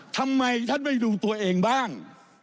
ทำไมท่านไม่ดูตัวเองบ้าง